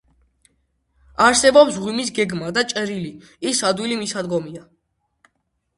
არსებობს მღვიმის გეგმა და ჭრილი, ის ადვილი მისადგომია.